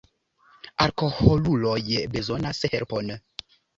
Alkoholuloj bezonas helpon.